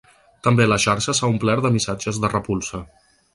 També la xarxa s’ha omplert de missatges de repulsa.